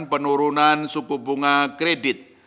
penurunan suku bunga kredit